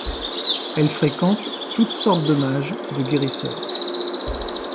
Elles fréquentent toutes sortes de mages, de guérisseurs.